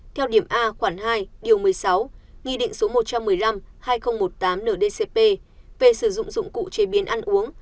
theo điểm a khoản hai điều một mươi sáu nghị định số một trăm một mươi năm hai nghìn một mươi tám ndcp về sử dụng dụng cụ chế biến ăn uống